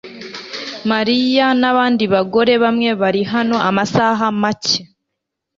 Mariya nabandi bagore bamwe bari hano amasaha make